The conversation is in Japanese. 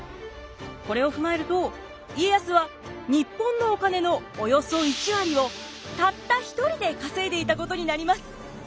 これを踏まえると家康は日本のお金のおよそ１割をたった１人で稼いでいたことになります。